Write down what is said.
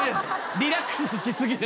リラックスしすぎです。